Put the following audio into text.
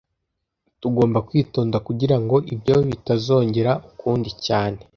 Tugomba kwitonda kugirango ibyo bitazongera ukundi cyane